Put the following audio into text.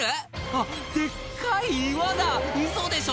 あっデッカい岩だウソでしょ！